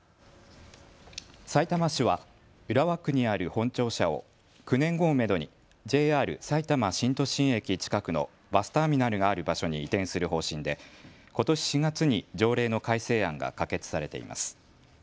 さいたま市は浦和区にある本庁舎を９年後をめどにＪＲさいたま新都心駅近くのバスターミナルがある場所に移転する方針でことし４月に条例の改正案が可決されています。